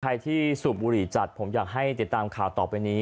ใครที่สูบบุหรี่จัดผมอยากให้ติดตามข่าวต่อไปนี้